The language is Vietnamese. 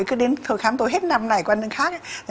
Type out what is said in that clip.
cứ đến thời khám tôi hết năm này qua năm khác